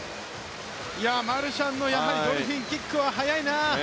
マルシャンのドルフィンキックは速いな。